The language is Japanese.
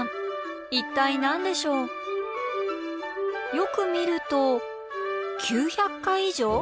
よく見ると九〇〇回以上？